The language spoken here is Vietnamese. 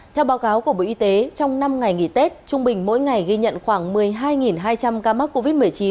theo báo cáo của bộ y tế trong năm ngày nghỉ tết trung bình mỗi ngày ghi nhận khoảng một mươi hai hai trăm linh ca mắc covid một mươi chín